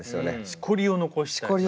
しこりを残したい。